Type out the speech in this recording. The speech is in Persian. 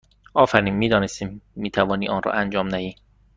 آفرین! می دانستیم می توانی آن را انجام دهی!